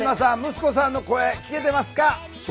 息子さんの声聴けてますか？